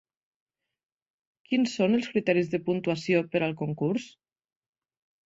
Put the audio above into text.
Quins són els criteris de puntuació per al concurs?